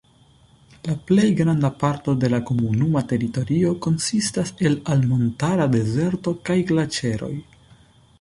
La plej granda parto de la komunuma teritorio konsistas el altmontara dezerto kaj glaĉeroj.